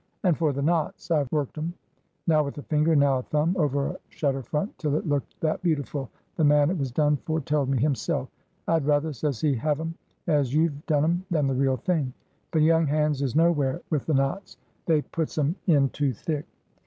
And for the knots, I've worked 'em—now with a finger and now a thumb—over a shutter front till it looked that beautiful the man it was done for telled me himself,—'I'd rather,' says he, 'have 'em as you've done 'em than the real thing.' But young hands is nowhere with the knots. They puts 'em in too thick."